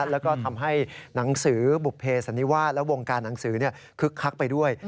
แล้วก็ทำให้หนังสือบุภเพสันนิวาสและวงการหนังสือคึกคักไปด้วย